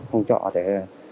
hỗ trợ để